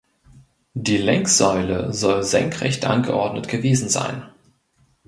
Die Lenksäule soll senkrecht angeordnet gewesen sein.